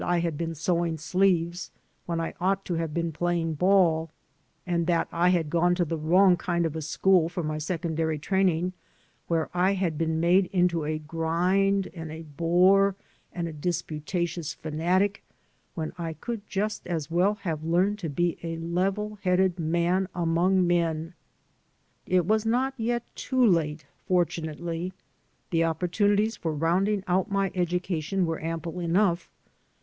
I had been sewing sleeves when I ought to have been playing ball, and that I had gone to the wrong kind of a school for my secondary training, where I had been made into a grind and a bore and a disputatious fanatic when I could just as well have learned to be a level headed man among men. It was not yet too late, fortunately. The opportunities for roimding out my , education were ample enough.